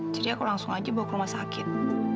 jadi aku langsung aja bawa ke rumah sakit